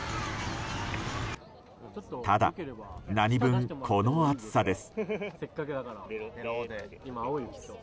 ただ何分、この暑さです。